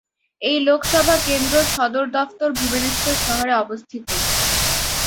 এই লোকসভা কেন্দ্রর সদর দফতর ভুবনেশ্বর শহরে অবস্থিত।